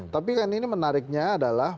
tapi kan ini menariknya adalah